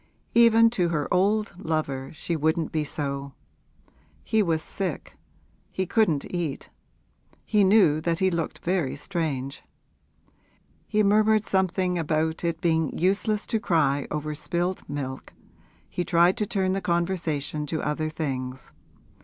Even to her old lover she wouldn't be so! He was sick; he couldn't eat; he knew that he looked very strange. He murmured something about it being useless to cry over spilled milk he tried to turn the conversation to other things.